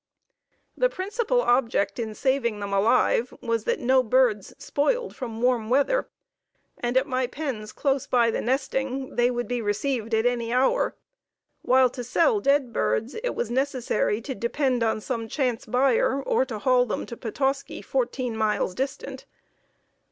The principal object in saving them alive was that no birds spoiled from warm weather, and at my pens close by the nesting they would be received at any hour, while to sell dead birds it was necessary to depend on some chance buyer or to haul to Petoskey, fourteen miles distant.